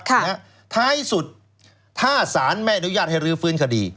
ท้ายสุดถ้าสารไม่อนุญาตให้รื้อฟื้นคดี